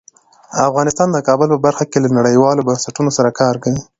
افغانستان د کابل په برخه کې له نړیوالو بنسټونو سره کار کوي.